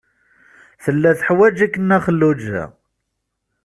Tella teḥwaj-ik Nna Xelluǧa.